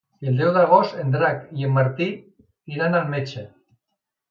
El deu d'agost en Drac i en Martí iran al metge.